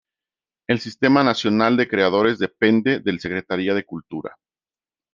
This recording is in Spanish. El Sistema Nacional de Creadores depende del Secretaria de Cultura.